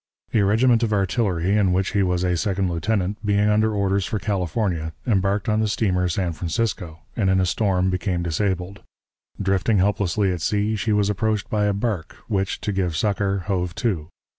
A regiment of artillery, in which he was a second lieutenant, being under orders for California, embarked on the steamer San Francisco, and in a storm became disabled; drifting helplessly at sea, she was approached by a bark which, to give succor, hove to.